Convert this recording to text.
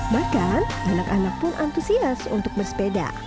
bahkan anak anak pun antusias untuk bersepeda